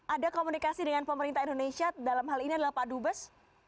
ada komunikasi dengan pemerintah indonesia dalam hal ini adalah pak dubes